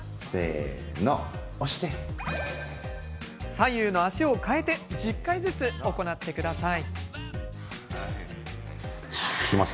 左右の足を替えて１０回ずつ行ってください。